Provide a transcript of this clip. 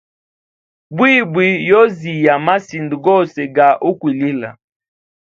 Mbwimbwi yoziya masinda gose ga ukwilila.